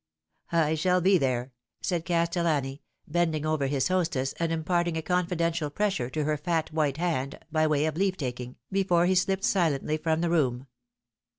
" I shall be there," said Castellani, bending over his hostess and imparting a confidential pressure to her fat white hand by way of leave taking, before he slipped silently from the room.